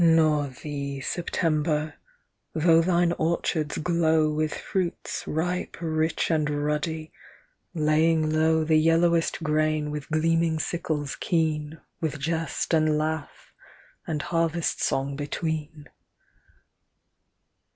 Nor thee, September, though thine orchards glow With fruits, ripe, rich, and ruddy— laying low The yellow grain with gleaming sickles keen. With jest and laugh, and harvest song between.